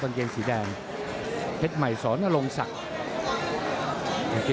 ที่ช่วยมึงให้แหลงนะครับ